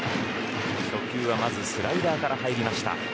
初球は、まずスライダーから入りました。